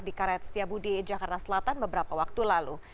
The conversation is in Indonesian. di karet setiabudi jakarta selatan beberapa waktu lalu